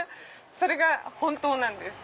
それが本当なんです。